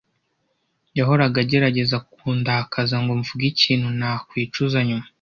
Yahoraga agerageza kundakaza ngo mvuge ikintu nakwicuza nyuma.